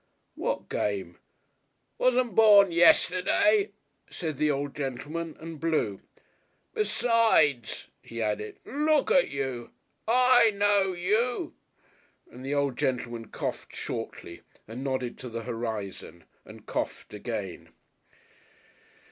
"What game?" "Wasn't born yesterday," said the old gentleman, and blew. "Besides," he added, "look at you! I know you," and the old gentleman coughed shortly and nodded to the horizon and coughed again.